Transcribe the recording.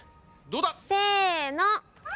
どうだ？せの！